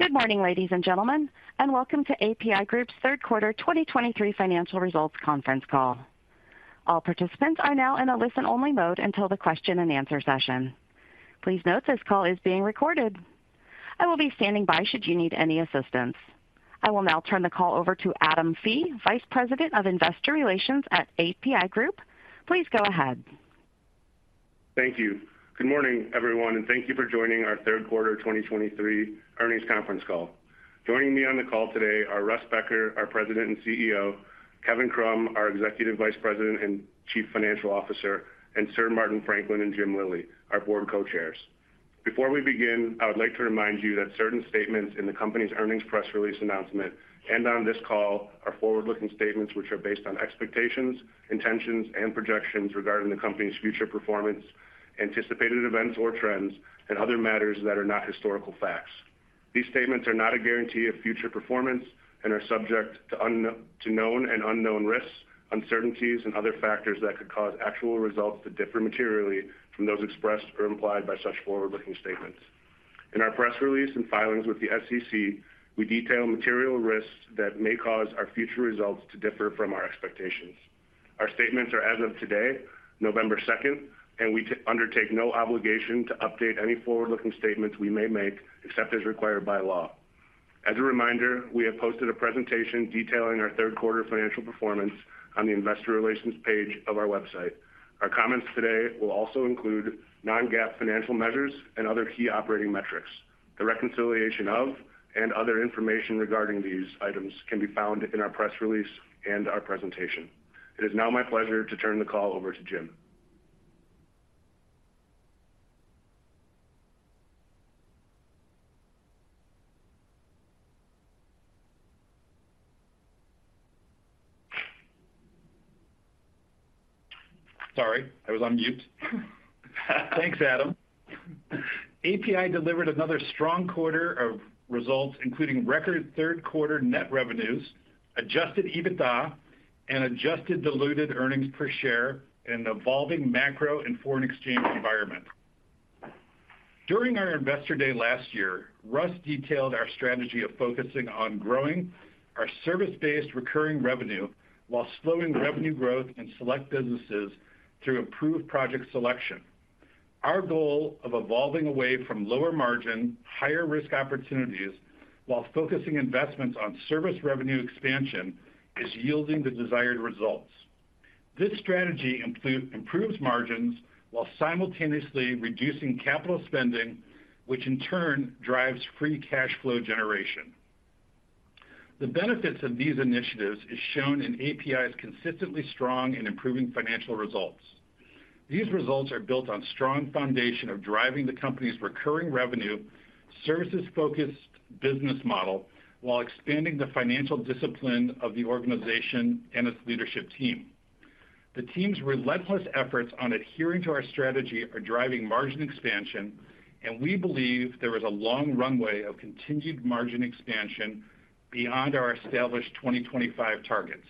Good morning, ladies and gentlemen, and welcome to APi Group's third quarter 2023 financial results conference call. All participants are now in a listen-only mode until the question and answer session. Please note, this call is being recorded. I will be standing by should you need any assistance. I will now turn the call over to Adam Fee, Vice President of Investor Relations at APi Group. Please go ahead. Thank you. Good morning, everyone, and thank you for joining our third quarter 2023 earnings conference call. Joining me on the call today are Russ Becker, our President and CEO, Kevin Krumm, our Executive Vice President and Chief Financial Officer, and Sir Martin Franklin and Jim Lillie, our Board Co-Chairs. Before we begin, I would like to remind you that certain statements in the company's earnings press release announcement and on this call are forward-looking statements, which are based on expectations, intentions, and projections regarding the company's future performance, anticipated events or trends, and other matters that are not historical facts. These statements are not a guarantee of future performance and are subject to known and unknown risks, uncertainties, and other factors that could cause actual results to differ materially from those expressed or implied by such forward-looking statements. In our press release and filings with the SEC, we detail material risks that may cause our future results to differ from our expectations. Our statements are as of today, November second, and we undertake no obligation to update any forward-looking statements we may make, except as required by law. As a reminder, we have posted a presentation detailing our third quarter financial performance on the investor relations page of our website. Our comments today will also include non-GAAP financial measures and other key operating metrics. The reconciliation of and other information regarding these items can be found in our press release and our presentation. It is now my pleasure to turn the call over to Jim. Sorry, I was on mute. Thanks, Adam. APi delivered another strong quarter of results, including record third quarter net revenues, Adjusted EBITDA, and adjusted diluted earnings per share in an evolving macro and foreign exchange environment. During our Investor Day last year, Russ detailed our strategy of focusing on growing our service-based recurring revenue while slowing revenue growth in select businesses through improved project selection. Our goal of evolving away from lower margin, higher risk opportunities, while focusing investments on service revenue expansion, is yielding the desired results. This strategy improve, improves margins while simultaneously reducing capital spending, which in turn drives free cash flow generation. The benefits of these initiatives is shown in APi's consistently strong and improving financial results. These results are built on strong foundation of driving the company's recurring revenue, services-focused business model, while expanding the financial discipline of the organization and its leadership team. The team's relentless efforts on adhering to our strategy are driving margin expansion, and we believe there is a long runway of continued margin expansion beyond our established 2025 targets.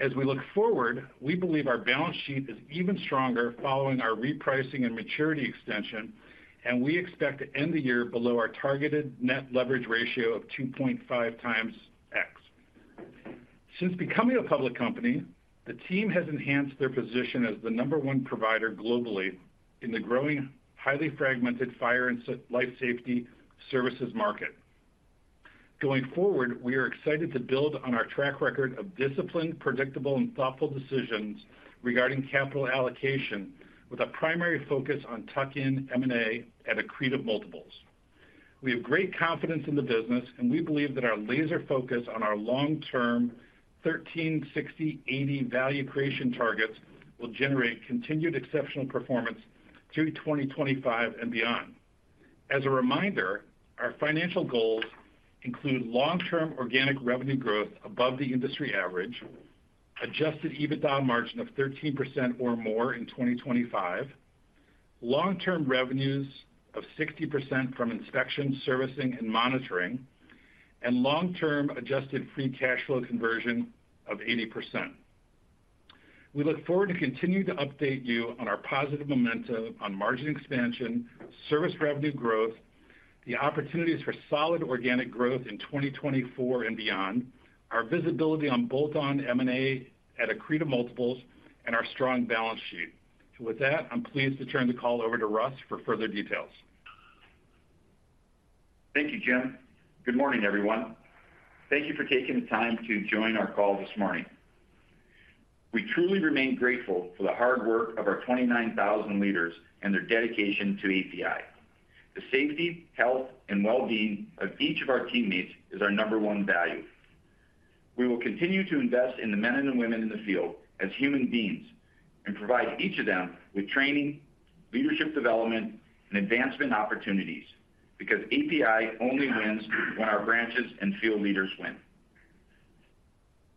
As we look forward, we believe our balance sheet is even stronger following our repricing and maturity extension, and we expect to end the year below our targeted net leverage ratio of 2.5x. Since becoming a public company, the team has enhanced their position as the number one provider globally in the growing, highly fragmented fire and life Safety Services market. Going forward, we are excited to build on our track record of disciplined, predictable, and thoughtful decisions regarding capital allocation, with a primary focus on tuck-in M&A at accretive multiples. We have great confidence in the business, and we believe that our laser focus on our long-term 13/60/80 value creation targets will generate continued exceptional performance through 2025 and beyond. As a reminder, our financial goals include long-term organic revenue growth above the industry average, Adjusted EBITDA margin of 13% or more in 2025, long-term revenues of 60% from inspection, servicing, and monitoring, and long-term adjusted free cash flow conversion of 80%. We look forward to continuing to update you on our positive momentum on margin expansion, service revenue growth, the opportunities for solid organic growth in 2024 and beyond, our visibility on bolt-on M&A at accretive multiples, and our strong balance sheet. With that, I'm pleased to turn the call over to Russ for further details. Thank you, Jim. Good morning, everyone. Thank you for taking the time to join our call this morning. We truly remain grateful for the hard work of our 29,000 leaders and their dedication to APi. The safety, health, and well-being of each of our teammates is our number one value. We will continue to invest in the men and women in the field as human beings and provide each of them with training, leadership development, and advancement opportunities, because APi only wins when our branches and field leaders win.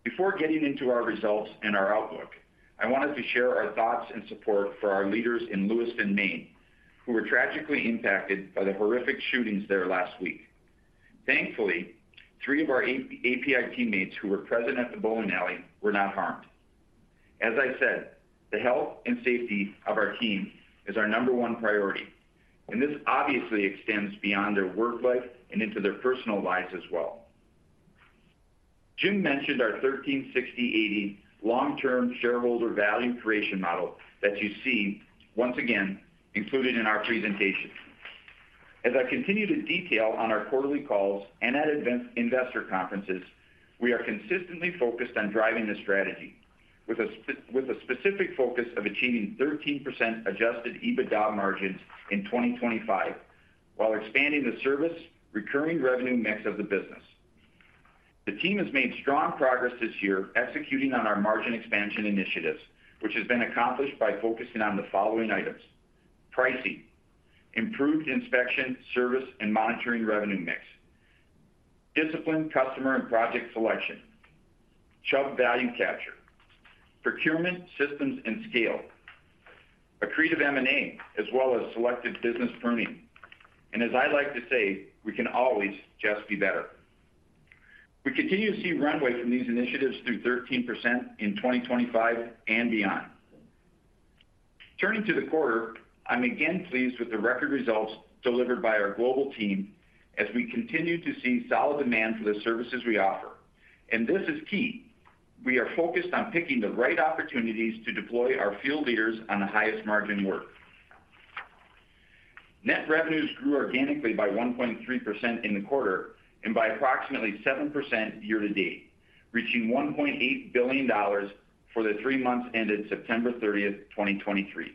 Before getting into our results and our outlook, I wanted to share our thoughts and support for our leaders in Lewiston, Maine, who were tragically impacted by the horrific shootings there last week. Thankfully, three of our APi teammates who were present at the bowling alley were not harmed.... As I said, the health and safety of our team is our number one priority, and this obviously extends beyond their work life and into their personal lives as well. Jim mentioned our 13/60/80 long-term shareholder value creation model that you see, once again, included in our presentation. As I continue to detail on our quarterly calls and at investor conferences, we are consistently focused on driving the strategy, with a specific focus of achieving 13% Adjusted EBITDA margins in 2025, while expanding the service recurring revenue mix of the business. The team has made strong progress this year executing on our margin expansion initiatives, which has been accomplished by focusing on the following items: pricing, improved inspection, service, and monitoring revenue mix, disciplined customer and project selection, Chubb value capture, procurement systems and scale, accretive M&A, as well as selected business pruning. And as I like to say, we can always just be better. We continue to see runway from these initiatives through 13% in 2025 and beyond. Turning to the quarter, I'm again pleased with the record results delivered by our global team as we continue to see solid demand for the services we offer. And this is key. We are focused on picking the right opportunities to deploy our field leaders on the highest margin work. Net revenues grew organically by 1.3% in the quarter and by approximately 7% year-to-date, reaching $1.8 billion for the three months ended September 30, 2023.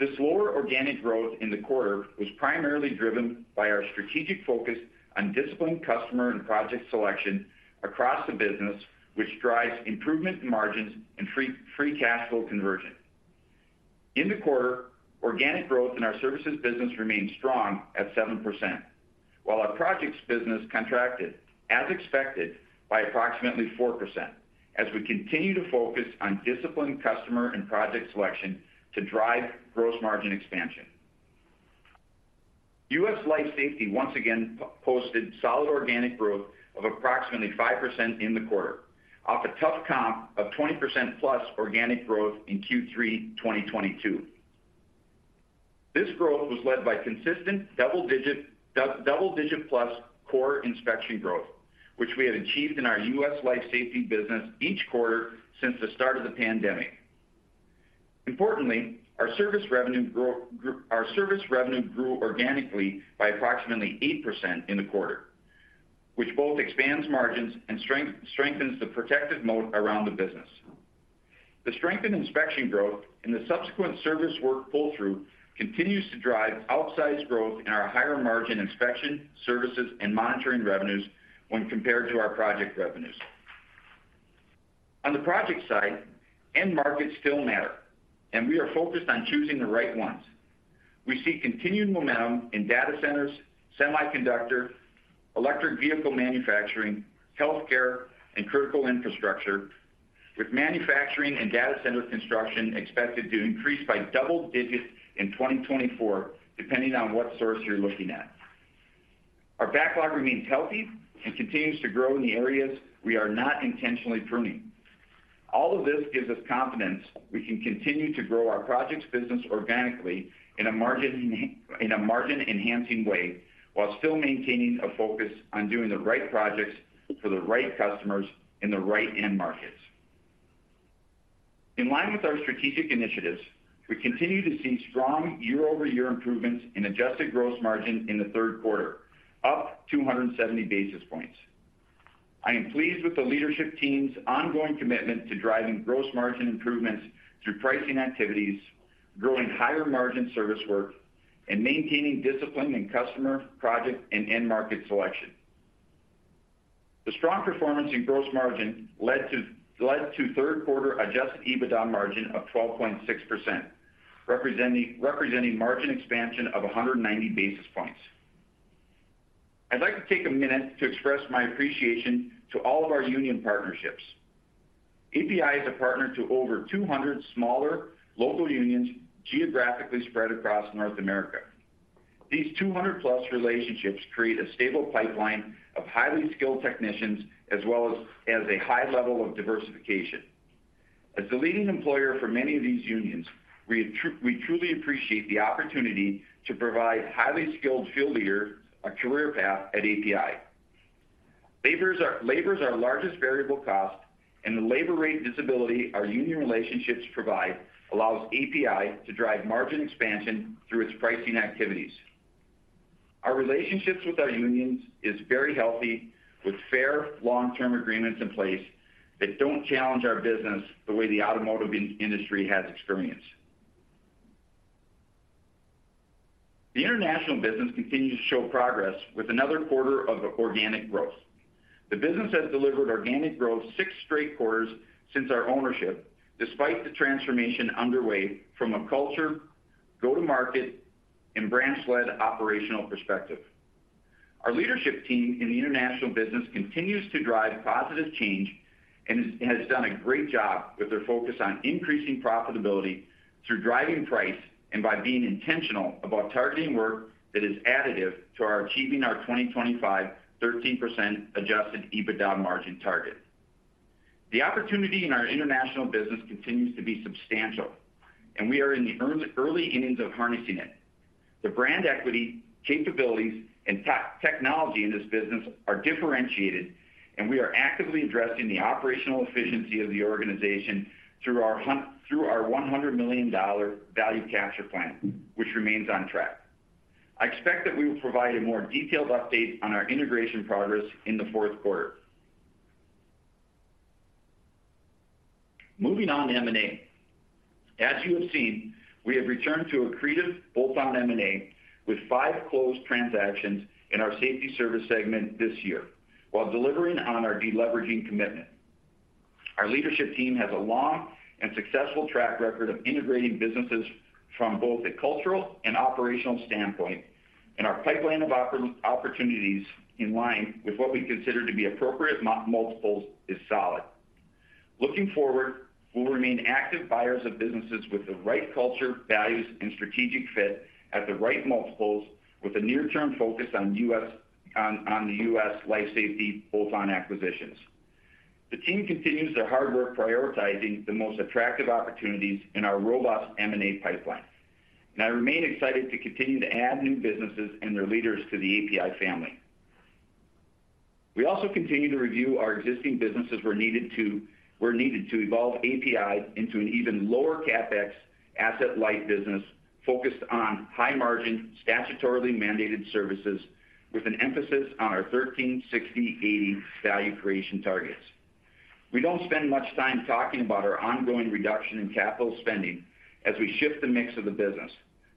This slower organic growth in the quarter was primarily driven by our strategic focus on disciplined customer and project selection across the business, which drives improvement in margins and free cash flow conversion. In the quarter, organic growth in our services business remained strong at 7%, while our projects business contracted, as expected, by approximately 4% as we continue to focus on disciplined customer and project selection to drive gross margin expansion. U.S. Life Safety once again posted solid organic growth of approximately 5% in the quarter, off a tough comp of 20%+ organic growth in Q3 2022. This growth was led by consistent double digit plus core inspection growth, which we have achieved in our U.S. Life Safety business each quarter since the start of the pandemic. Importantly, our service revenue grew organically by approximately 8% in the quarter, which both expands margins and strengthens the protective moat around the business. The strengthened inspection growth and the subsequent service work pull-through continues to drive outsized growth in our higher margin inspection, services, and monitoring revenues when compared to our project revenues. On the project side, end markets still matter, and we are focused on choosing the right ones. We see continued momentum in data centers, semiconductor, electric vehicle manufacturing, healthcare, and critical infrastructure, with manufacturing and data center construction expected to increase by double digits in 2024, depending on what source you're looking at. Our backlog remains healthy and continues to grow in the areas we are not intentionally pruning. All of this gives us confidence we can continue to grow our projects business organically in a margin-enhancing way, while still maintaining a focus on doing the right projects for the right customers in the right end markets. In line with our strategic initiatives, we continue to see strong year-over-year improvements in Adjusted gross margin in the third quarter, up 270 basis points. I am pleased with the leadership team's ongoing commitment to driving gross margin improvements through pricing activities, growing higher-margin service work, and maintaining discipline in customer, project, and end-market selection. The strong performance in gross margin led to third quarter Adjusted EBITDA margin of 12.6%, representing margin expansion of 190 basis points. I'd like to take a minute to express my appreciation to all of our union partnerships. APi is a partner to over 200 smaller local unions, geographically spread across North America. These 200+ relationships create a stable pipeline of highly skilled technicians, as well as a high level of diversification. As the leading employer for many of these unions, we truly appreciate the opportunity to provide highly skilled field leaders a career path at APi. Labor is our largest variable cost, and the labor rate visibility our union relationships provide allows APi to drive margin expansion through its pricing activities. Our relationships with our unions is very healthy, with fair, long-term agreements in place that don't challenge our business the way the automotive industry has experienced. The international business continues to show progress with another quarter of organic growth. The business has delivered organic growth six straight quarters since our ownership, despite the transformation underway from a culture, go-to-market, and branch-led operational perspective. Our leadership team in the international business continues to drive positive change and has done a great job with their focus on increasing profitability through driving price and by being intentional about targeting work that is additive to our achieving our 2025, 13% Adjusted EBITDA margin target. The opportunity in our international business continues to be substantial, and we are in the early innings of harnessing it. The brand equity, capabilities, and technology in this business are differentiated, and we are actively addressing the operational efficiency of the organization through our $100 million value capture plan, which remains on track. I expect that we will provide a more detailed update on our integration progress in the fourth quarter. Moving on to M&A. As you have seen, we have returned to accretive bolt-on M&A, with five closed transactions in our safety service segment this year, while delivering on our deleveraging commitment. Our leadership team has a long and successful track record of integrating businesses from both a cultural and operational standpoint, and our pipeline of opportunities in line with what we consider to be appropriate multiples, is solid. Looking forward, we'll remain active buyers of businesses with the right culture, values, and strategic fit at the right multiples, with a near-term focus on U.S. Life Safety bolt-on acquisitions. The team continues their hard work, prioritizing the most attractive opportunities in our robust M&A pipeline, and I remain excited to continue to add new businesses and their leaders to the APi family. We also continue to review our existing businesses, where needed to evolve APi into an even lower CapEx, asset-light business, focused on high margin, statutorily mandated services, with an emphasis on our 13/60/80 value creation targets. We don't spend much time talking about our ongoing reduction in capital spending as we shift the mix of the business.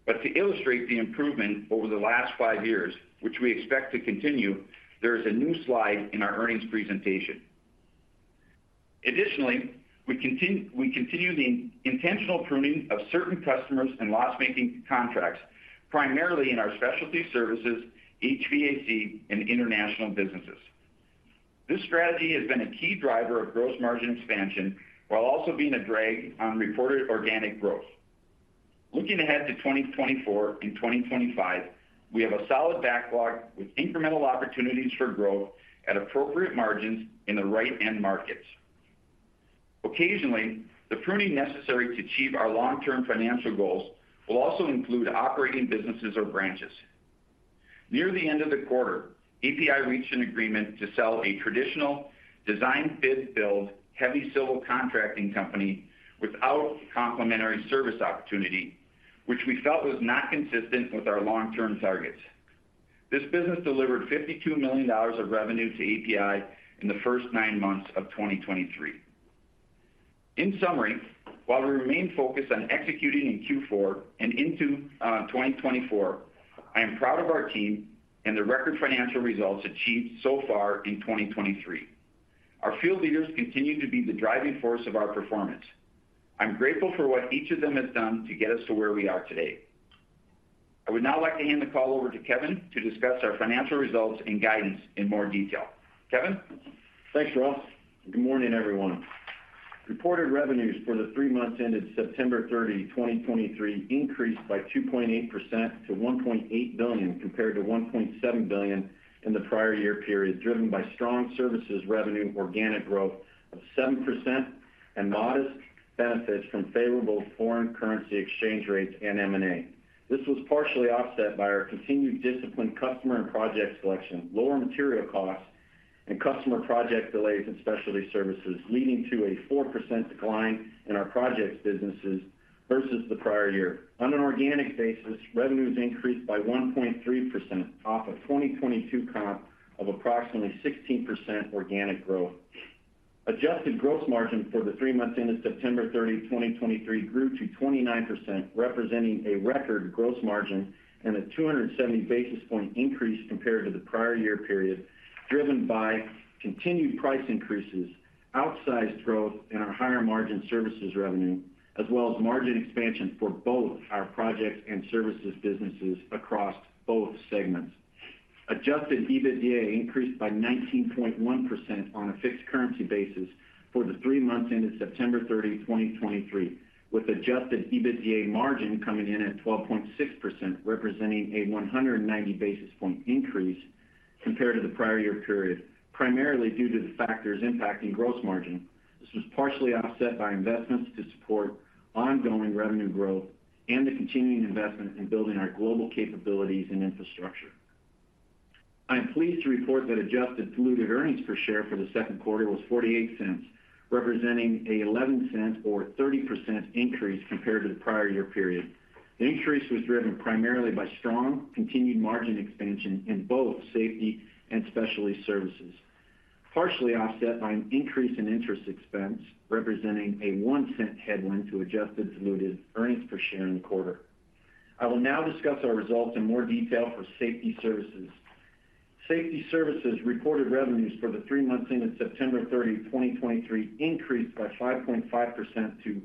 But to illustrate the improvement over the last five years, which we expect to continue, there is a new slide in our earnings presentation. Additionally, we continue the intentional pruning of certain customers and loss-making contracts, primarily in our Specialty Services, HVAC, and international businesses. This strategy has been a key driver of gross margin expansion, while also being a drag on reported organic growth. Looking ahead to 2024 and 2025, we have a solid backlog with incremental opportunities for growth at appropriate margins in the right end markets. Occasionally, the pruning necessary to achieve our long-term financial goals will also include operating businesses or branches. Near the end of the quarter, APi reached an agreement to sell a traditional design, bid, build, heavy civil contracting company without complementary service opportunity, which we felt was not consistent with our long-term targets. This business delivered $52 million of revenue to APi in the first nine months of 2023. In summary, while we remain focused on executing in Q4 and into 2024, I am proud of our team and the record financial results achieved so far in 2023. Our field leaders continue to be the driving force of our performance. I'm grateful for what each of them has done to get us to where we are today. I would now like to hand the call over to Kevin to discuss our financial results and guidance in more detail. Kevin? Thanks, Russ. Good morning, everyone. Reported revenues for the three months ended September 30, 2023, increased by 2.8% to $1.8 billion, compared to $1.7 billion in the prior year period, driven by strong services revenue organic growth of 7%, and modest benefits from favorable foreign currency exchange rates and M&A. This was partially offset by our continued disciplined customer and project selection, lower material costs, and customer project delays in Specialty Services, leading to a 4% decline in our projects businesses versus the prior year. On an organic basis, revenues increased by 1.3% off a 2022 comp of approximately 16% organic growth. Adjusted gross margin for the three months ended September 30, 2023, grew to 29%, representing a record gross margin and a 270 basis point increase compared to the prior year period, driven by continued price increases, outsized growth in our higher margin services revenue, as well as margin expansion for both our projects and services businesses across both segments. Adjusted EBITDA increased by 19.1% on a fixed currency basis for the 3 months ended September 30, 2023, with adjusted EBITDA margin coming in at 12.6%, representing a 190 basis point increase compared to the prior year period, primarily due to the factors impacting gross margin. This was partially offset by investments to support ongoing revenue growth and the continuing investment in building our global capabilities and infrastructure. I am pleased to report that adjusted diluted earnings per share for the second quarter was $0.48, representing a $0.11 or 30% increase compared to the prior year period. The increase was driven primarily by strong continued margin expansion in both safety and Specialty Services, partially offset by an increase in interest expense, representing a $0.01 headwind to adjusted diluted earnings per share in the quarter. I will now discuss our results in more detail for Safety Services. Safety Services reported revenues for the three months ended September 30, 2023, increased by 5.5% to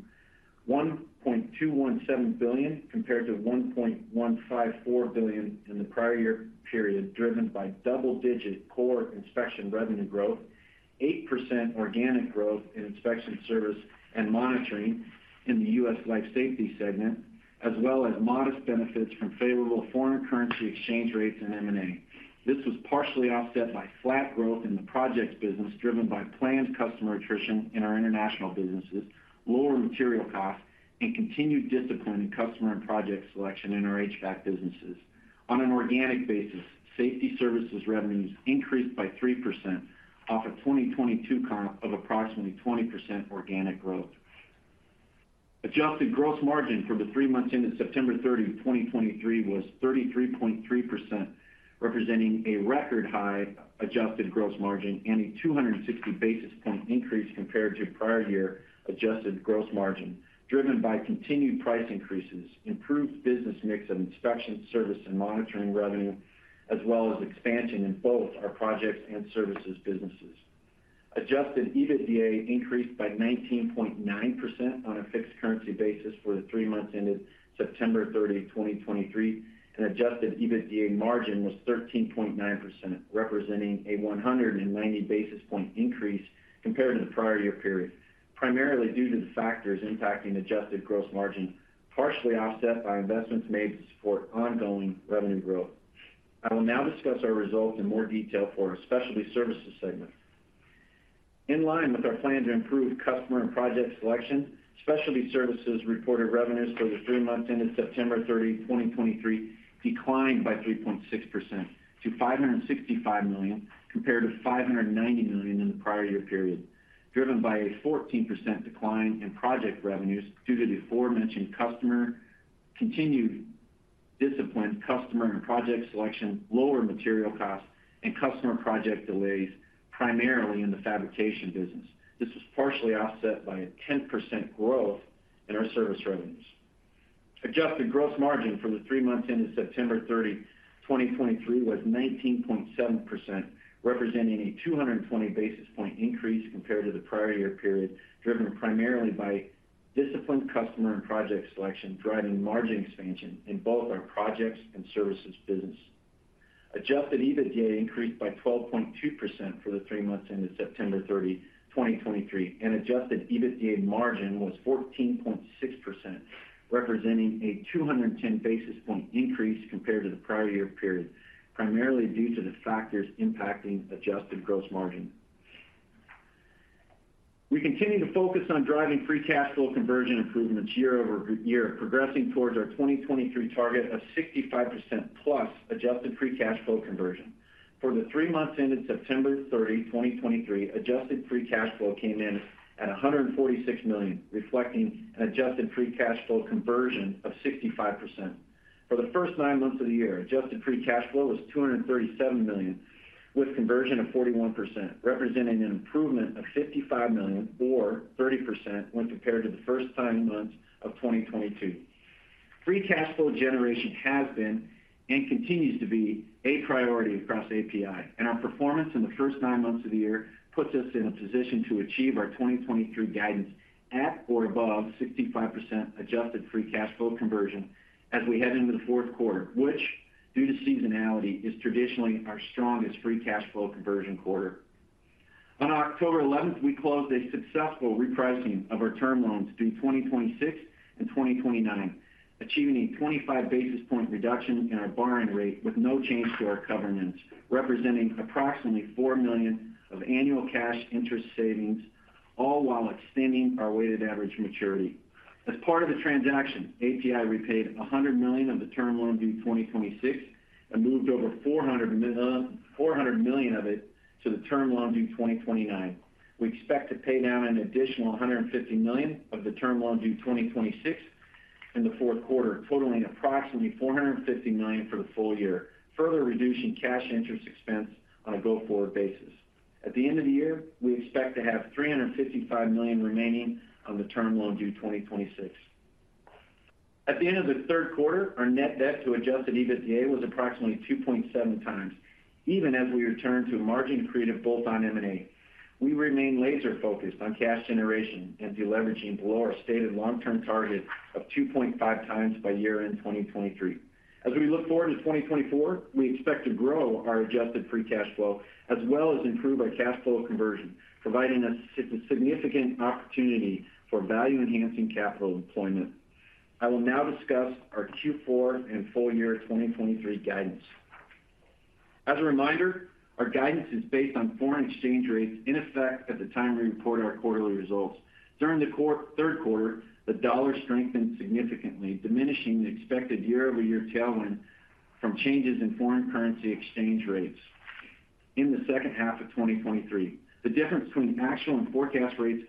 $1.217 billion, compared to $1.154 billion in the prior year period, driven by double-digit core inspection revenue growth, 8% organic growth in inspection service and monitoring in the U.S. Life Safety segment.... As well as modest benefits from favorable foreign currency exchange rates and M&A. This was partially offset by flat growth in the projects business, driven by planned customer attrition in our international businesses, lower material costs, and continued discipline in customer and project selection in our HVAC businesses. On an organic basis, Safety Services revenues increased by 3% off of 2022 comp of approximately 20% organic growth. Adjusted gross margin for the three months ended September 30, 2023, was 33.3%, representing a record high adjusted gross margin and a 260 basis point increase compared to prior year adjusted gross margin, driven by continued price increases, improved business mix of inspection service and monitoring revenue, as well as expansion in both our projects and services businesses. Adjusted EBITDA increased by 19.9% on a fixed currency basis for the three months ended September 30, 2023, and adjusted EBITDA margin was 13.9%, representing a 190 basis points increase compared to the prior year period, primarily due to the factors impacting adjusted gross margin, partially offset by investments made to support ongoing revenue growth. I will now discuss our results in more detail for our Specialty Services segment. In line with our plan to improve customer and project selection, Specialty Services reported revenues for the three months ended September 30, 2023, declined by 3.6% to $565 million, compared to $590 million in the prior year period, driven by a 14% decline in project revenues due to the aforementioned customer-continued disciplined customer and project selection, lower material costs, and customer project delays, primarily in the fabrication business. This was partially offset by a 10% growth in our service revenues. Adjusted gross margin for the three months ended September 30, 2023, was 19.7%, representing a 220 basis point increase compared to the prior year period, driven primarily by disciplined customer and project selection, driving margin expansion in both our projects and services business. Adjusted EBITDA increased by 12.2% for the three months ended September 30, 2023, and adjusted EBITDA margin was 14.6%, representing a 210 basis point increase compared to the prior year period, primarily due to the factors impacting adjusted gross margin. We continue to focus on driving free cash flow conversion improvements year-over-year, progressing towards our 2023 target of 65%+ adjusted free cash flow conversion. For the three months ended September 30, 2023, adjusted free cash flow came in at $146 million, reflecting an adjusted free cash flow conversion of 65%. For the first nine months of the year, adjusted free cash flow was $237 million, with conversion of 41%, representing an improvement of $55 million or 30% when compared to the first nine months of 2022. Free cash flow generation has been and continues to be a priority across APi, and our performance in the first nine months of the year puts us in a position to achieve our 2023 guidance at or above 65% adjusted free cash flow conversion as we head into the fourth quarter, which, due to seasonality, is traditionally our strongest free cash flow conversion quarter. On October 11, we closed a successful repricing of our term loans due 2026 and 2029, achieving a 25 basis point reduction in our borrowing rate with no change to our covenants, representing approximately $4 million of annual cash interest savings, all while extending our weighted average maturity. As part of the transaction, APi repaid $100 million of the term loan due 2026 and moved over $400 million of it to the term loan due 2029. We expect to pay down an additional $150 million of the term loan due 2026 in the fourth quarter, totaling approximately $450 million for the full year, further reducing cash interest expense on a go-forward basis. At the end of the year, we expect to have $355 million remaining on the term loan due 2026. At the end of the third quarter, our net debt to Adjusted EBITDA was approximately 2.7 times, even as we return to margin-accretive bolt-on M&A. We remain laser-focused on cash generation and deleveraging below our stated long-term target of 2.5x by year-end 2023. As we look forward to 2024, we expect to grow our adjusted free cash flow, as well as improve our cash flow conversion, providing us significant opportunity for value-enhancing capital employment. I will now discuss our Q4 and full year 2023 guidance. As a reminder, our guidance is based on foreign exchange rates in effect at the time we report our quarterly results. During the third quarter, the dollar strengthened significantly, diminishing the expected year-over-year tailwind from changes in foreign currency exchange rates. In the second half of 2023, the difference between actual and forecast rates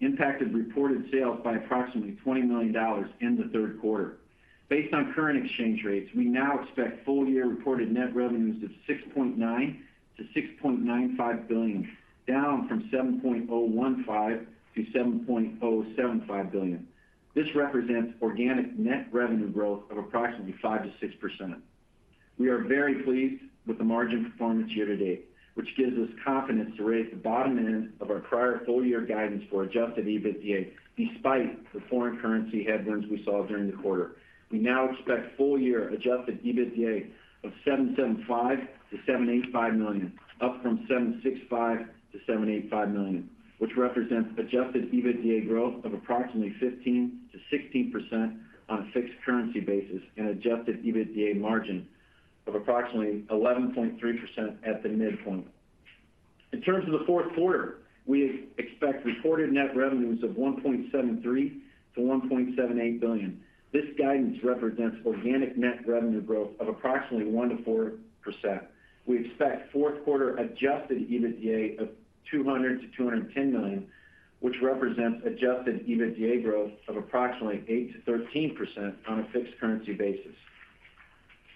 impacted reported sales by approximately $20 million in the third quarter. Based on current exchange rates, we now expect full-year reported net revenues of $6.9 billion-$6.95 billion, down from $7.015 billion-$7.075 billion. This represents organic net revenue growth of approximately 5%-6%. We are very pleased with the margin performance year-to-date, which gives us confidence to raise the bottom end of our prior full-year guidance for adjusted EBITDA, despite the foreign currency headwinds we saw during the quarter. We now expect full-year adjusted EBITDA of $775 million-$785 million, up from $765 million-$785 million, which represents adjusted EBITDA growth of approximately 15%-16% on a fixed currency basis and adjusted EBITDA margin of approximately 11.3% at the midpoint. In terms of the fourth quarter, we expect reported net revenues of $1.73 billion-$1.78 billion. This guidance represents organic net revenue growth of approximately 1%-4%. We expect fourth quarter adjusted EBITDA of $200 million-$210 million, which represents adjusted EBITDA growth of approximately 8%-13% on a fixed currency basis.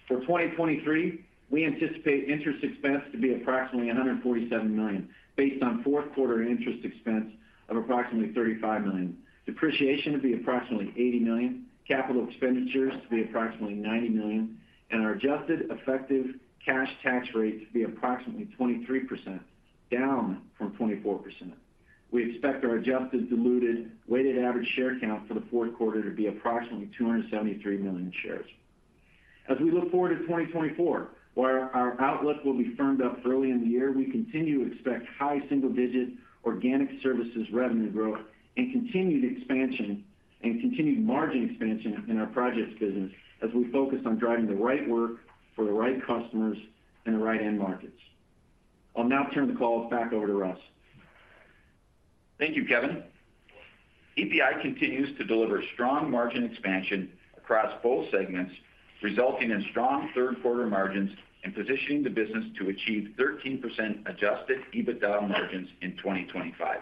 For 2023, we anticipate interest expense to be approximately $147 million, based on fourth quarter interest expense of approximately $35 million. Depreciation to be approximately $80 million, capital expenditures to be approximately $90 million, and our adjusted effective cash tax rate to be approximately 23%, down from 24%. We expect our adjusted diluted weighted average share count for the fourth quarter to be approximately 273 million shares. As we look forward to 2024, while our outlook will be firmed up early in the year, we continue to expect high single-digit organic services revenue growth and continued expansion and continued margin expansion in our projects business as we focus on driving the right work for the right customers and the right end markets. I'll now turn the call back over to Russ. Thank you, Kevin. APi continues to deliver strong margin expansion across both segments, resulting in strong third quarter margins and positioning the business to achieve 13% Adjusted EBITDA margins in 2025.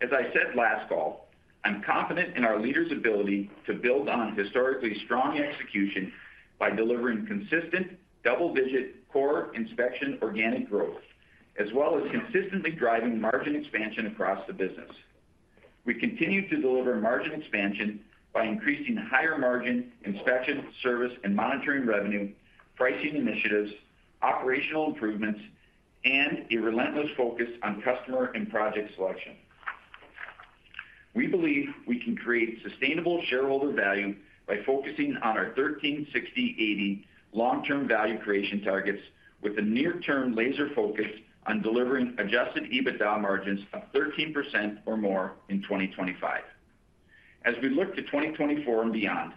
As I said last call, I'm confident in our leaders' ability to build on historically strong execution by delivering consistent double-digit core inspection organic growth, as well as consistently driving margin expansion across the business. We continue to deliver margin expansion by increasing higher-margin inspection, service, and monitoring revenue, pricing initiatives, operational improvements, and a relentless focus on customer and project selection. We believe we can create sustainable shareholder value by focusing on our thirteen, sixty, eighty long-term value creation targets, with a near-term laser focus on delivering Adjusted EBITDA margins of 13% or more in 2025. As we look to 2024 and beyond,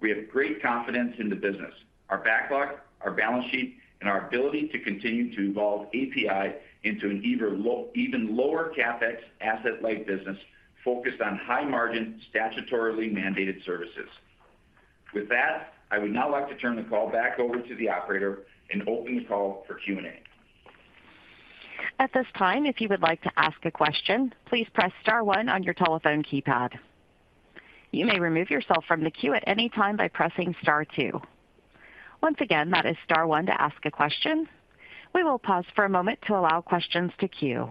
we have great confidence in the business, our backlog, our balance sheet, and our ability to continue to evolve APi into an even lower CapEx, asset-light business focused on high-margin, statutorily mandated services. With that, I would now like to turn the call back over to the operator and open the call for Q&A. At this time, if you would like to ask a question, please press star one on your telephone keypad. You may remove yourself from the queue at any time by pressing star two. Once again, that is star one to ask a question. We will pause for a moment to allow questions to queue.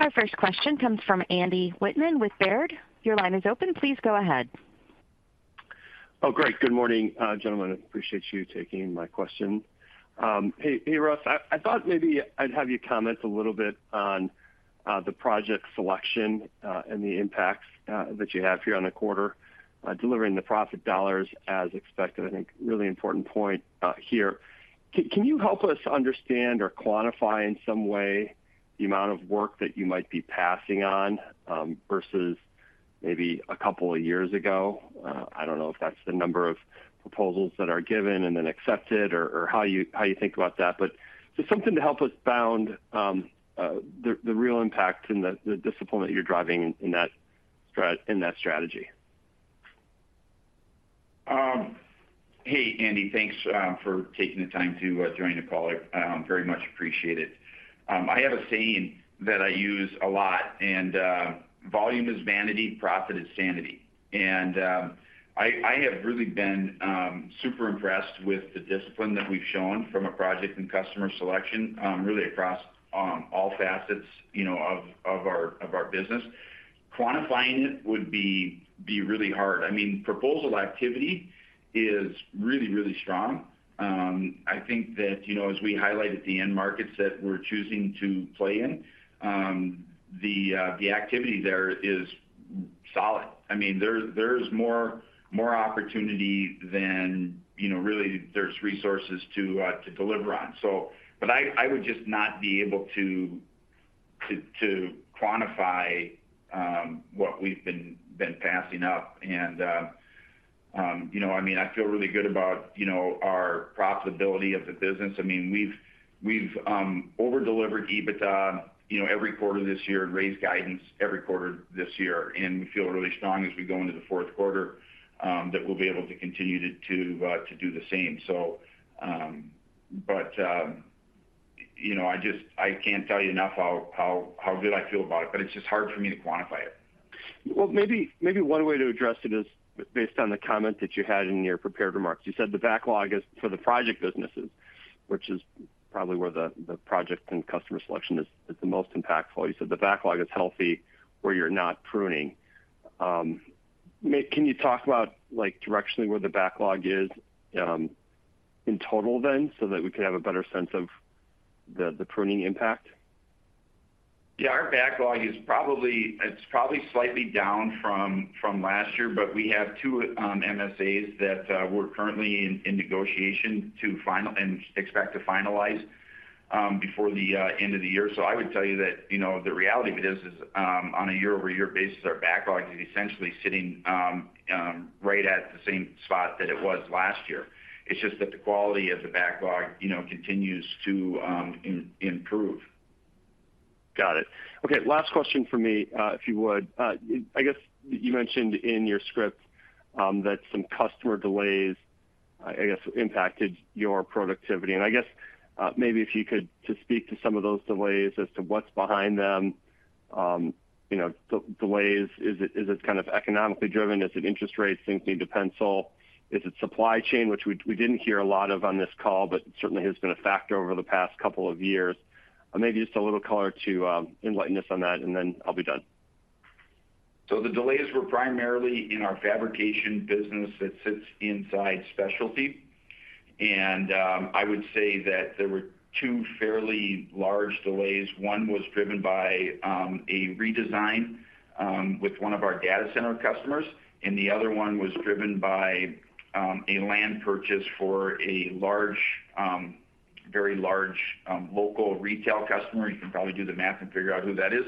Our first question comes from Andy Wittmann with Baird. Your line is open. Please go ahead. Oh, great. Good morning, gentlemen. I appreciate you taking my question. Hey, hey, Russ, I thought maybe I'd have you comment a little bit on the project selection and the impact that you have here on the quarter delivering the profit dollars as expected. I think really important point here. Can you help us understand or quantify in some way the amount of work that you might be passing on versus maybe a couple of years ago? I don't know if that's the number of proposals that are given and then accepted or how you think about that. But just something to help us bound the real impact and the discipline that you're driving in that strategy. Hey, Andy, thanks for taking the time to join the call. I very much appreciate it. I have a saying that I use a lot, and "Volume is vanity, profit is sanity." And I have really been super impressed with the discipline that we've shown from a project and customer selection, really across all facets, you know, of our business. Quantifying it would be really hard. I mean, proposal activity is really, really strong. I think that, you know, as we highlight at the end markets that we're choosing to play in, the activity there is solid. I mean, there's more opportunity than, you know, really there's resources to deliver on. But I would just not be able to quantify what we've been passing up. You know, I mean, I feel really good about our profitability of the business. I mean, we've over-delivered EBITDA every quarter this year and raised guidance every quarter this year, and we feel really strong as we go into the fourth quarter that we'll be able to continue to do the same. But you know, I just can't tell you enough how good I feel about it, but it's just hard for me to quantify it. Well, maybe, maybe one way to address it is based on the comment that you had in your prepared remarks. You said the backlog is for the project businesses, which is probably where the project and customer selection is the most impactful. You said the backlog is healthy, where you're not pruning. Can you talk about, like, directionally, where the backlog is, in total then, so that we could have a better sense of the pruning impact? Yeah, our backlog is probably, it's probably slightly down from last year, but we have two MSAs that we're currently in negotiation to finalize and expect to finalize before the end of the year. So I would tell you that, you know, the reality of it is on a year-over-year basis, our backlog is essentially sitting right at the same spot that it was last year. It's just that the quality of the backlog, you know, continues to improve. Got it. Okay, last question from me, if you would. I guess you mentioned in your script, that some customer delays, I guess, impacted your productivity. And I guess, maybe if you could just speak to some of those delays as to what's behind them. You know, the delays, is it, is it kind of economically driven? Is it interest rates sinking the pencil? Is it supply chain, which we didn't hear a lot of on this call, but certainly has been a factor over the past couple of years? Maybe just a little color to, enlighten us on that, and then I'll be done. So the delays were primarily in our fabrication business that sits inside specialty. And, I would say that there were two fairly large delays. One was driven by a redesign with one of our data center customers, and the other one was driven by a land purchase for a large, very large, local retail customer. You can probably do the math and figure out who that is.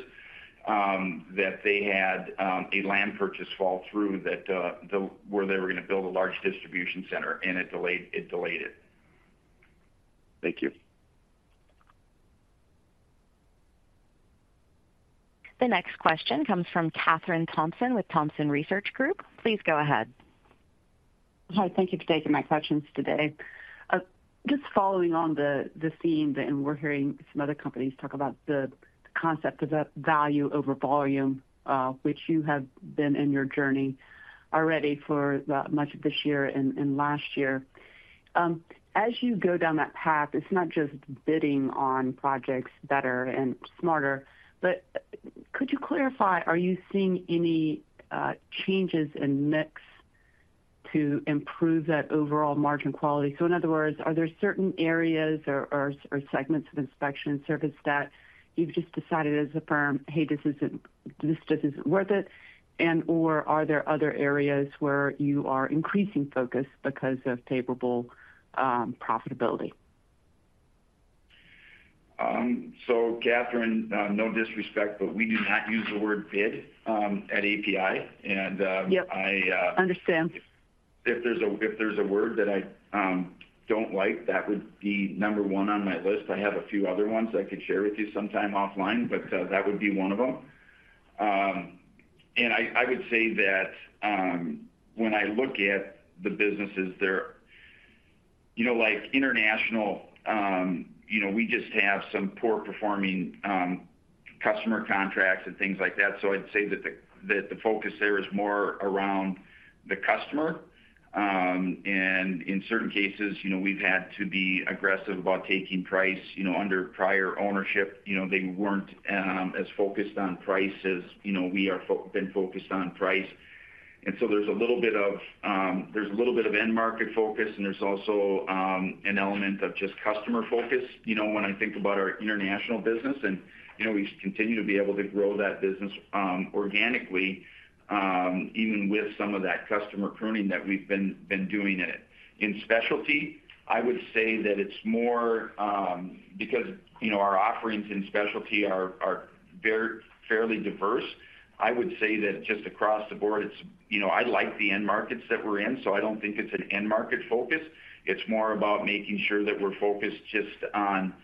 That they had a land purchase fall through that where they were going to build a large distribution center, and it delayed, it delayed it. Thank you. The next question comes from Kathryn Thompson with Thompson Research Group. Please go ahead. Hi, thank you for taking my questions today. Just following on the, the theme, and we're hearing some other companies talk about the concept of, value over volume, which you have been in your journey already for the much of this year and, and last year. As you go down that path, it's not just bidding on projects better and smarter, but could you clarify, are you seeing any, changes in mix to improve that overall margin quality? So in other words, are there certain areas or, or, or segments of inspection service that you've just decided as a firm, "Hey, this isn't, this just isn't worth it," and/or are there other areas where you are increasing focus because of favorable, profitability? So, Kathryn, no disrespect, but we do not use the word bid at APi. And Yep. I, uh- Understand. If there's a word that I don't like, that would be number one on my list. I have a few other ones I could share with you sometime offline, but that would be one of them. And I would say that when I look at the businesses, they're... You know, like international, you know, we just have some poor-performing customer contracts and things like that. So I'd say that the focus there is more around the customer. And in certain cases, you know, we've had to be aggressive about taking price. You know, under prior ownership, you know, they weren't as focused on price as, you know, we have been focused on price. So there's a little bit of end-market focus, and there's also an element of just customer focus. You know, when I think about our international business and, you know, we continue to be able to grow that business organically, even with some of that customer pruning that we've been doing in it. In specialty, I would say that it's more because, you know, our offerings in specialty are very fairly diverse. I would say that just across the board, it's, you know, I like the end markets that we're in, so I don't think it's an end-market focus. It's more about making sure that we're focused just on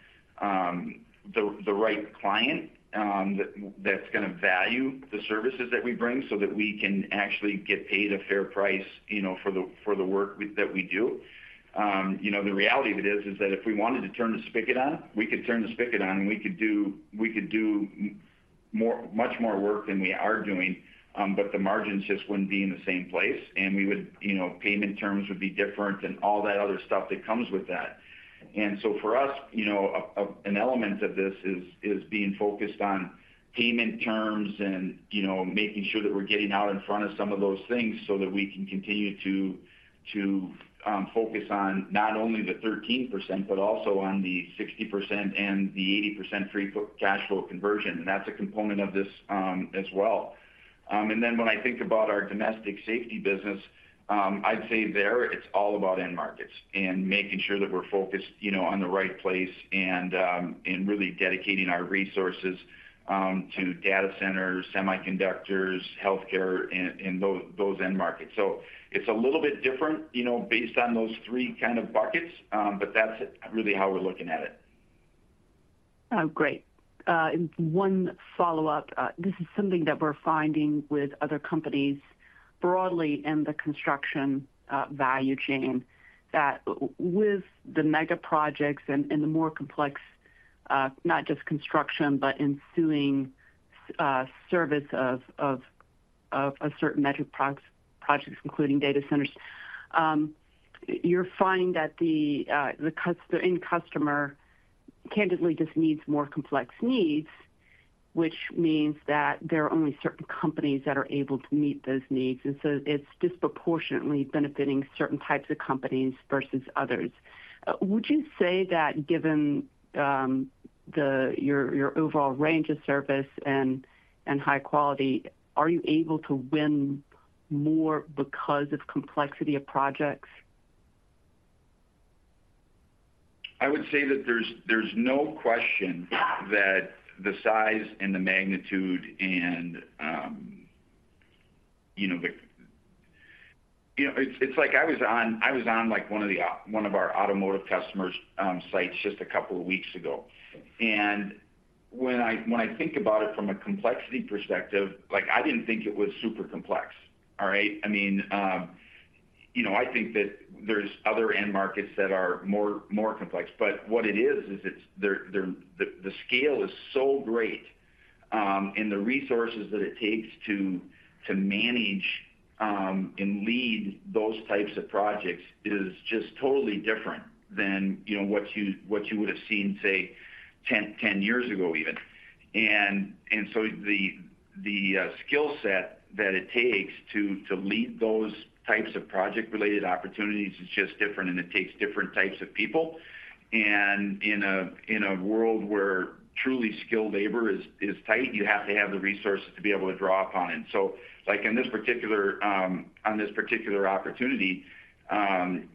the right client that that's gonna value the services that we bring, so that we can actually get paid a fair price, you know, for the work that we do. You know, the reality of it is that if we wanted to turn the spigot on, we could turn the spigot on and we could do much more work than we are doing, but the margins just wouldn't be in the same place. And we would... You know, payment terms would be different and all that other stuff that comes with that. And so for us, you know, an element of this is being focused on payment terms and, you know, making sure that we're getting out in front of some of those things so that we can continue to focus on not only the 13%, but also on the 60% and the 80% free cash flow conversion. And that's a component of this, as well. And then when I think about our domestic safety business, I'd say there it's all about end markets and making sure that we're focused, you know, on the right place and really dedicating our resources to data centers, semiconductors, healthcare, and those end markets. So it's a little bit different, you know, based on those three kind of buckets, but that's really how we're looking at it. Oh, great. And one follow-up. This is something that we're finding with other companies broadly in the construction value chain, that with the mega projects and the more complex, not just construction, but ensuing service of certain metric projects, projects including data centers, you're finding that the end customer candidly just needs more complex needs? Which means that there are only certain companies that are able to meet those needs, and so it's disproportionately benefiting certain types of companies versus others. Would you say that given your overall range of service and high quality, are you able to win more because of complexity of projects? I would say that there's no question that the size and the magnitude and, you know, you know, it's like I was on, like, one of our automotive customers', sites just a couple of weeks ago. And when I think about it from a complexity perspective, like, I didn't think it was super complex. All right? I mean, you know, I think that there's other end markets that are more complex. But what it is is the scale is so great, and the resources that it takes to manage and lead those types of projects is just totally different than, you know, what you would have seen, say, 10 years ago even. And so the skill set that it takes to lead those types of project-related opportunities is just different, and it takes different types of people. And in a world where truly skilled labor is tight, you have to have the resources to be able to draw upon it. So, like, in this particular opportunity,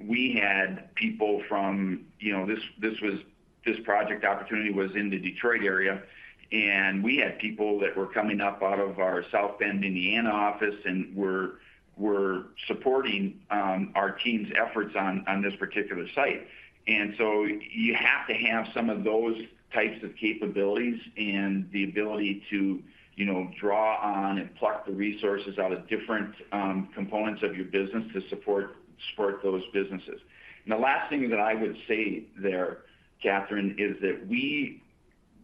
we had people from... You know, this project opportunity was in the Detroit area, and we had people that were coming up out of our South Bend, Indiana, office and were supporting our team's efforts on this particular site. And so you have to have some of those types of capabilities and the ability to, you know, draw on and pluck the resources out of different components of your business to support those businesses. The last thing that I would say there, Kathryn, is that we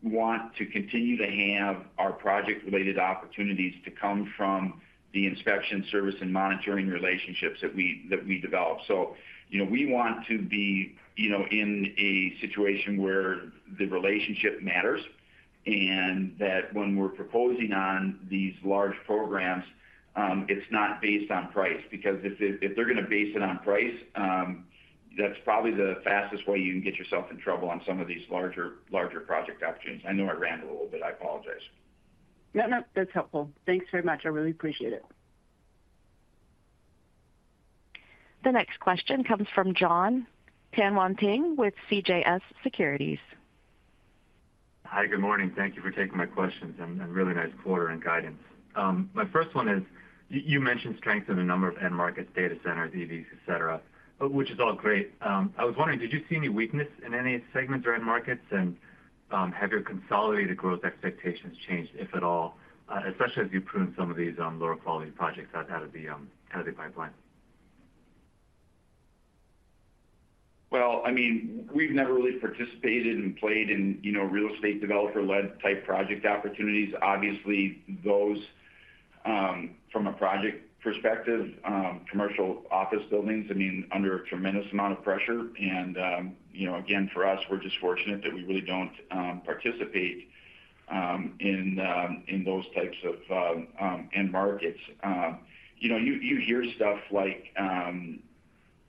want to continue to have our project-related opportunities to come from the inspection service and monitoring relationships that we, that we develop. So, you know, we want to be, you know, in a situation where the relationship matters, and that when we're proposing on these large programs, it's not based on price. Because if they, if they're gonna base it on price, that's probably the fastest way you can get yourself in trouble on some of these larger, larger project opportunities. I know I rambled a little bit. I apologize. No, no, that's helpful. Thanks very much. I really appreciate it. The next question comes from Jon Tanwanteng with CJS Securities. Hi, good morning. Thank you for taking my questions, and really nice quarter and guidance. My first one is, you mentioned strength in a number of end markets, data centers, EVs, et cetera, which is all great. I was wondering, did you see any weakness in any segments or end markets? And, have your consolidated growth expectations changed, if at all, especially as you prune some of these, lower-quality projects out of the pipeline? Well, I mean, we've never really participated and played in, you know, real estate developer-led type project opportunities. Obviously, those, from a project perspective, commercial office buildings, I mean, under a tremendous amount of pressure. And, you know, again, for us, we're just fortunate that we really don't participate in those types of end markets. You know, you hear stuff like,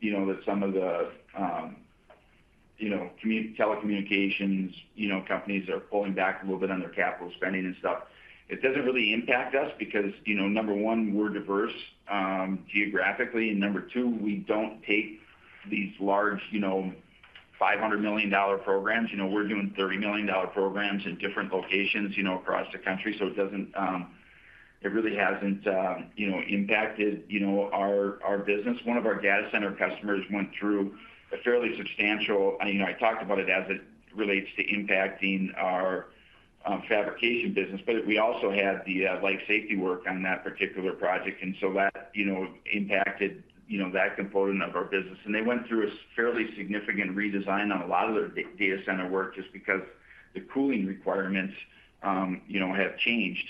you know, that some of the telecommunications companies are pulling back a little bit on their capital spending and stuff. It doesn't really impact us because, you know, number one, we're diverse geographically, and number two, we don't take these large, you know, $500 million programs. You know, we're doing $30 million programs in different locations, you know, across the country. So it doesn't, it really hasn't, you know, impacted, you know, our, our business. One of our data center customers went through a fairly substantial. I know I talked about it as it relates to impacting our, fabrication business, but we also had the, life safety work on that particular project, and so that, you know, impacted, you know, that component of our business. And they went through a fairly significant redesign on a lot of their data center work, just because the cooling requirements, you know, have changed,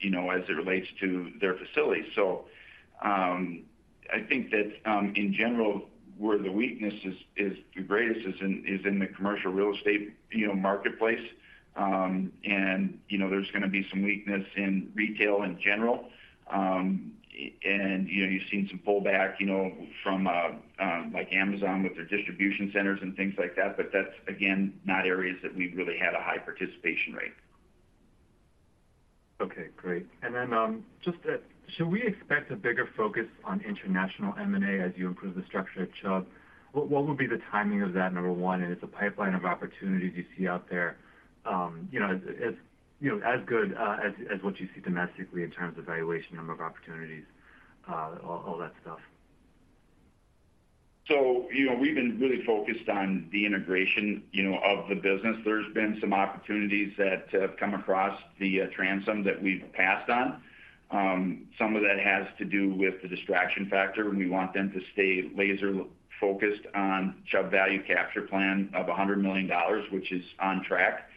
you know, as it relates to their facility. So, I think that, in general, where the weakness is, is in, is in the commercial real estate, you know, marketplace. And, you know, there's gonna be some weakness in retail in general. You know, you've seen some pullback, you know, from, like, Amazon with their distribution centers and things like that, but that's, again, not areas that we've really had a high participation rate. Okay, great. And then, just that, should we expect a bigger focus on international M&A as you improve the structure at Chubb? What would be the timing of that, number one, and is the pipeline of opportunities you see out there, you know, as good as what you see domestically in terms of valuation, number of opportunities, all that stuff? So, you know, we've been really focused on the integration, you know, of the business. There's been some opportunities that have come across the transom that we've passed on. Some of that has to do with the distraction factor, and we want them to stay laser-focused on Chubb value capture plan of $100 million, which is on track.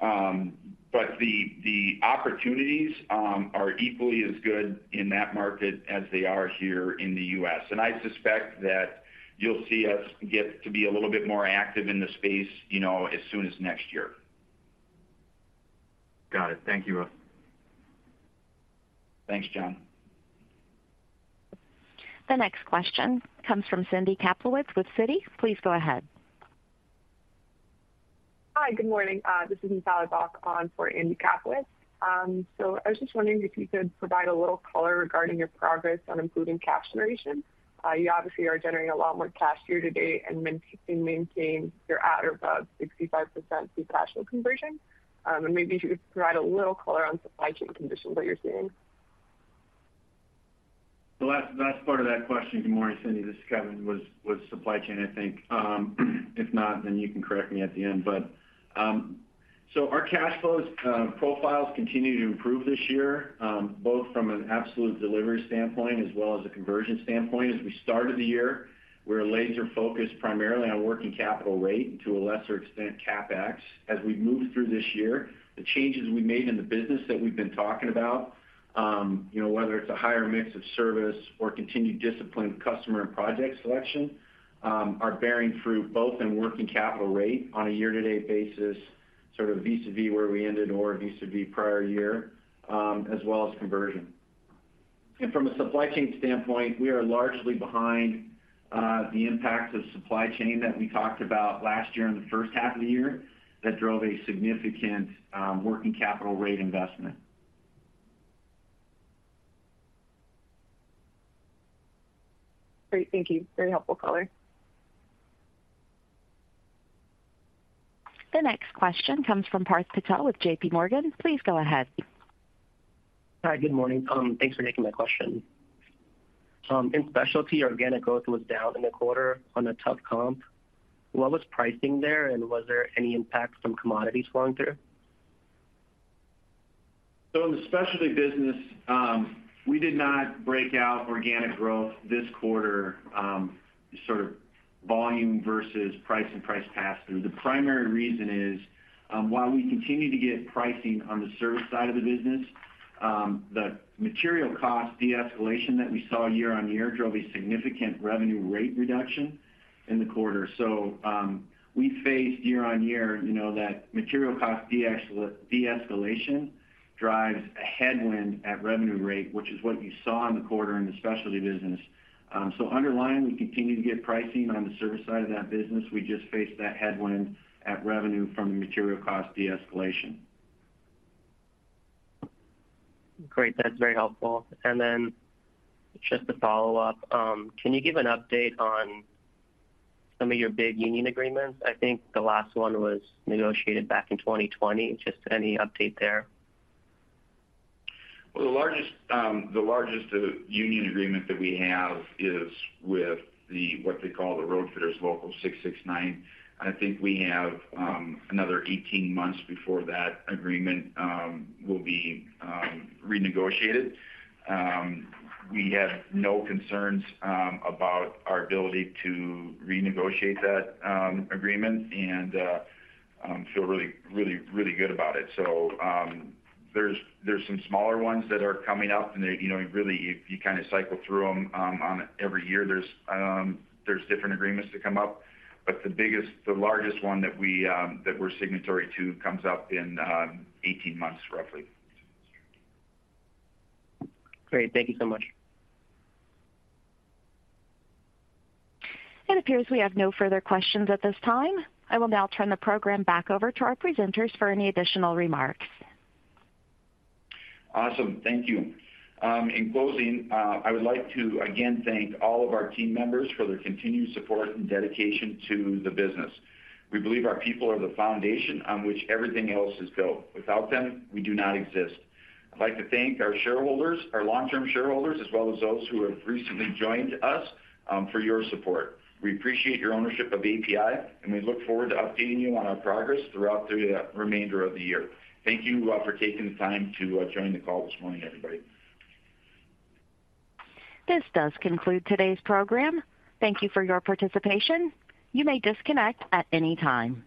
But the opportunities are equally as good in that market as they are here in the U.S. And I suspect that you'll see us get to be a little bit more active in the space, you know, as soon as next year. Got it. Thank you, Russ. Thanks, Jon. The next question comes from Andy Kaplowitz with Citi. Please go ahead. Hi, good morning. This is Sally Bach on for Andy Kaplowitz. So I was just wondering if you could provide a little color regarding your progress on improving cash generation. You obviously are generating a lot more cash year to date and maintaining your at or above 65% free cash flow conversion. And maybe if you could provide a little color on supply chain conditions that you're seeing. The last, last part of that question, good morning, Cindy, this is Kevin, was, was supply chain, I think. If not, then you can correct me at the end. But so our cash flows profiles continue to improve this year, both from an absolute delivery standpoint as well as a conversion standpoint. As we started the year, we were laser focused primarily on working capital rate and to a lesser extent, CapEx. As we moved through this year, the changes we made in the business that we've been talking about, you know, whether it's a higher mix of service or continued discipline with customer and project selection, are bearing fruit both in working capital rate on a year-to-date basis, sort of vis-a-vis where we ended or vis-a-vis prior year, as well as conversion. From a supply chain standpoint, we are largely behind the impacts of supply chain that we talked about last year in the first half of the year that drove a significant working capital rate investment. Great, thank you. Very helpful color. The next question comes from Parth Patel with JP Morgan. Please go ahead. Hi, good morning. Thanks for taking my question. In specialty, organic growth was down in the quarter on a tough comp. What was pricing there, and was there any impact from commodities flowing through? So in the specialty business, we did not break out organic growth this quarter, sort of volume versus price and price pass-through. The primary reason is, while we continue to get pricing on the service side of the business, the material cost de-escalation that we saw year on year drove a significant revenue rate reduction in the quarter. So, we faced year on year, you know, that material cost de-escalation drives a headwind at revenue rate, which is what you saw in the quarter in the specialty business. So underlying, we continue to get pricing on the service side of that business. We just faced that headwind at revenue from the material cost de-escalation. Great, that's very helpful. And then just a follow-up. Can you give an update on some of your big union agreements? I think the last one was negotiated back in 2020. Just any update there? Well, the largest union agreement that we have is with what they call the Road Fitters Local 669. I think we have another 18 months before that agreement will be renegotiated. We have no concerns about our ability to renegotiate that agreement and feel really, really, really good about it. So, there's some smaller ones that are coming up, and they, you know, really, you kind of cycle through them on every year. There's different agreements that come up, but the biggest, the largest one that we're signatory to comes up in 18 months, roughly. Great. Thank you so much. It appears we have no further questions at this time. I will now turn the program back over to our presenters for any additional remarks. Awesome. Thank you. In closing, I would like to again thank all of our team members for their continued support and dedication to the business. We believe our people are the foundation on which everything else is built. Without them, we do not exist. I'd like to thank our shareholders, our long-term shareholders, as well as those who have recently joined us, for your support. We appreciate your ownership of APi, and we look forward to updating you on our progress throughout the remainder of the year. Thank you for taking the time to join the call this morning, everybody. This does conclude today's program. Thank you for your participation. You may disconnect at any time.